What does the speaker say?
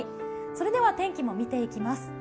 それでは天気も見ていきます。